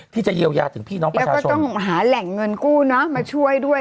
ที่จะเยียวยาถึงพี่น้องประชาชนแล้วก็ต้องหาแหล่งเงินกู้เนอะมาช่วยด้วย